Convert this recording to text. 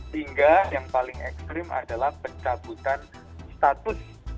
hingga yang paling ekstrim adalah pencabutan status